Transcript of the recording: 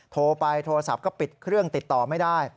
โทรไปโทรศัพท์ก็ปิดเครื่องติดต่อไม่ได้